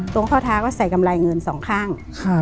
ข้อเท้าก็ใส่กำไรเงินสองข้าง